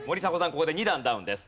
ここで２段ダウンです。